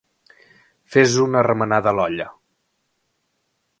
Fes una remenada a l'olla.